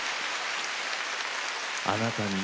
「あなたに」